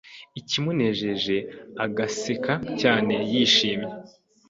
ikimunejeje agaseka cyane yishimye